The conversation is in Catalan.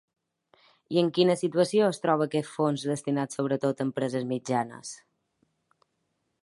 I en quina situació es troba aquest fons destinat sobretot a empreses mitjanes?